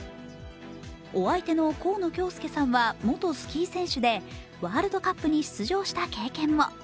お相手の河野恭介さんは元スキー選手でワールドカップに出場した経験も。